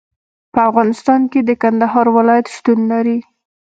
په افغانستان کې د کندهار ولایت شتون لري.